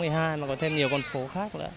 mà có thêm nhiều con phố khác nữa